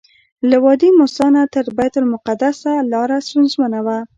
له وادي موسی نه تر بیت المقدسه لاره ستونزمنه وه.